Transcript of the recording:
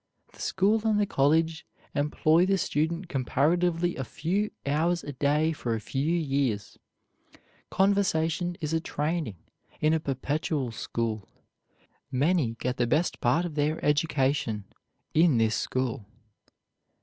The school and the college employ the student comparatively a few hours a day for a few years; conversation is a training in a perpetual school. Many get the best part of their education in this school.